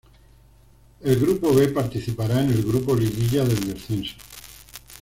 El Grupo B participará en el Grupo Liguilla del Descenso.